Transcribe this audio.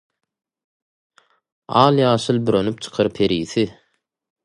Al-ýaşyl bürenip çykar perisi,